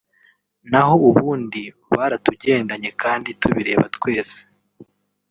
naho ubundi baratugendanye kandi tubireba twese